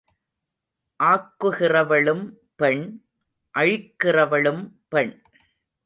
ஆக்குகிறவளும் பெண் அழிக்கிறவளும் பெண்.